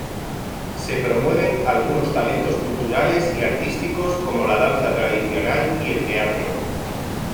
Se promueven algunos talentos culturales y artísticos como la danza tradicional y el teatro.